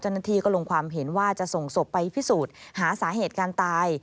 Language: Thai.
เจ้าหน้าที่ก็ลงความเห็นว่าจะส่งศพไปพิสูจน์หาสาเหตุการตาย